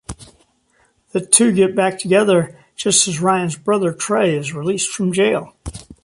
The two get back together, just as Ryan's brother Trey is released from jail.